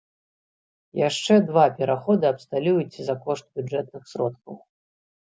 Яшчэ два пераходы абсталююць за кошт бюджэтных сродкаў.